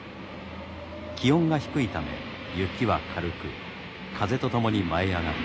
気温が低いため雪は軽く風と共に舞い上がり